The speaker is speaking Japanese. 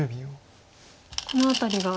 この辺りが。